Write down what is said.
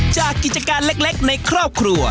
กิจการเล็กในครอบครัว